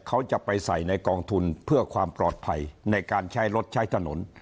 เขาจะไปใส่ในกองทุนเพื่อความปลอดภัยในการใช้รถใช้ถนน